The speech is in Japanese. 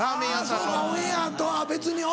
そうかオンエアとは別に。